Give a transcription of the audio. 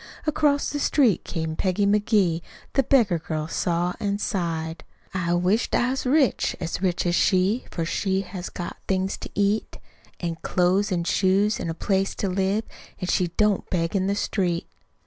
Across the street came Peggy McGee; The beggar girl saw an' sighed. "I wish'd I was rich as rich as she, For she has got things to eat; An' clo's an' shoes, an' a place to live, An' she don't beg in the street."